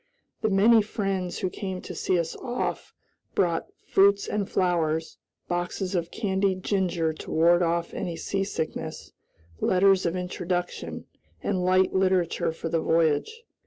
The many friends who came to see us off brought fruits and flowers, boxes of candied ginger to ward off seasickness, letters of introduction, and light literature for the voyage.